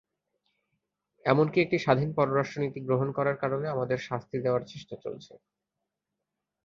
এমনকি একটি স্বাধীন পররাষ্ট্রনীতি গ্রহণ করার কারণে আমাদের শাস্তি দেওয়ার চেষ্টা চলছে।